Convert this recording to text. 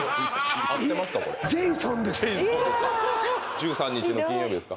１３日の金曜日ですか